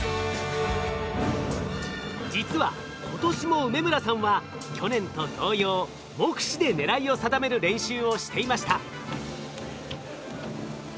実は今年も梅村さんは去年と同様目視で狙いを定める練習をしていました。